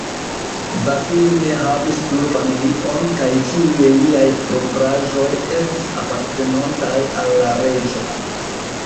Vasili ne havis plu familion, kaj ĉiuj liaj propraĵoj estis apartenontaj al la Reĝo.